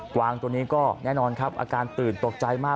วางตัวนี้ก็แน่นอนครับอาการตื่นตกใจมาก